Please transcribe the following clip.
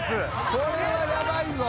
これはやばいぞ！